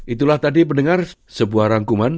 itulah tadi pendengar sebuah rangkuman